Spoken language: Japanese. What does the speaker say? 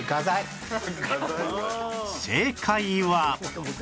正解は